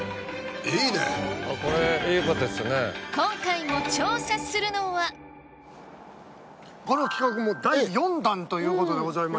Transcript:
今回も調査するのはこの企画も第４弾ということでございまして。